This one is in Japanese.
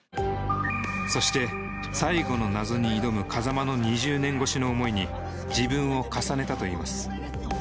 そして最後の謎に挑む風真の２０年越しの思いに自分を重ねたといいます